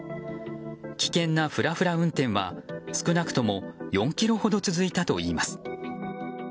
危険なふらふら運転は少なくとも４ｋｍほど続いたといいます。